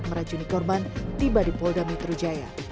meracuni korban tiba di polda metro jaya